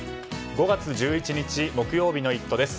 ５月１１日、木曜日の「イット！」です。